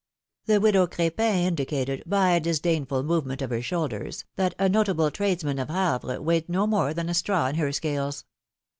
The widow Cr6pin indicated, by a disdainful movement of her shoulders, that a notable tradesman of Havre weighed no more than a straw in her scales.